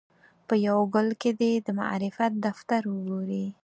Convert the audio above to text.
په یوه ګل کې دې د معرفت دفتر وګوري.